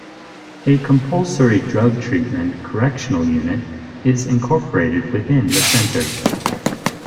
A Compulsory Drug Treatment Correctional unit is incorporated within the Centre.